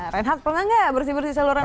renhak pernah gak bersih bersih saluran air